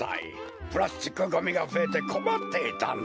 プラスチックゴミがふえてこまっていたんだ。